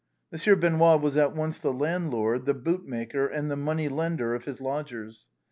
Monsieur Benoît was at once the landlord, the bootmaker and the money lender of his lodgers.